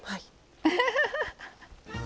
アハハハハ。